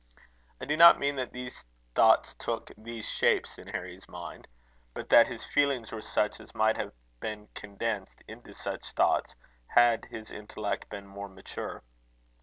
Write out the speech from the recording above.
I do not mean that these thoughts took these shapes in Harry's mind; but that his feelings were such as might have been condensed into such thoughts, had his intellect been more mature.